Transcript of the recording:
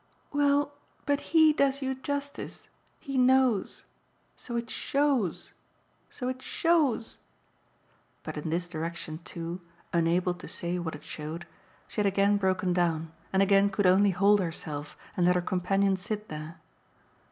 "Well, but HE does you justice he knows. So it shows, so it shows !" But in this direction too, unable to say what it showed, she had again broken down and again could only hold herself and let her companion sit there.